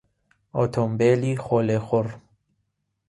ئۆتۆمبێلی خۆلێخوڕ